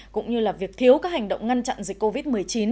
cũng như là việc thiếu các hành động ngăn chặn dịch covid một mươi chín